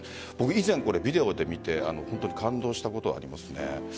以前、ビデオで見て感動したことがあります。